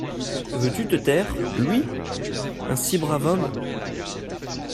Veux-tu te taire ! lui ! un si brave homme !